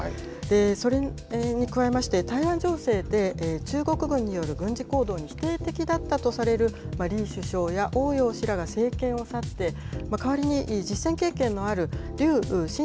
それに加えまして、台湾情勢で中国軍による軍事行動に否定的だったとされる李首相や汪洋氏らが政権を去って、代わりに実戦経験のある劉振